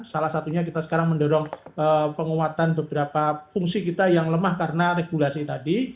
salah satunya kita sekarang mendorong penguatan beberapa fungsi kita yang lemah karena regulasi tadi